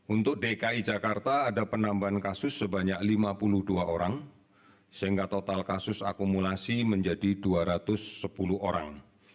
untuk dki jakarta ada penambahan kasus sebanyak lima puluh dua orang sehingga total kasus akumulasi menjadi dua ratus sepuluh orang